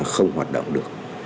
không hoạt động được